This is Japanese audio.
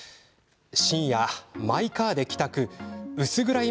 深夜マイカーで帰宅薄暗い